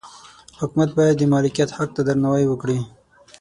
حکومت باید د مالکیت حق ته درناوی وکړي.